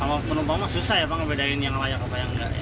kalau penumpang penumpang susah ya pak ngebedain yang layak apa yang nggak